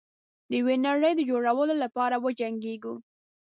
د یوې نړۍ د جوړولو لپاره وجنګیږو.